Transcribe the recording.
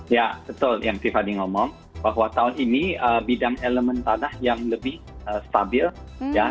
ya betul yang tiffany ngomong bahwa tahun ini bidang elemen tanah yang lebih stabil ya